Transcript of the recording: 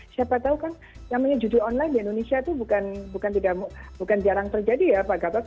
siapa tahu kan namanya judi online di indonesia itu bukan jarang terjadi ya pak gatot